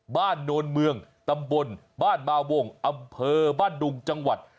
โนนเมืองตำบลบ้านมาวงอำเภอบ้านดุงจังหวัด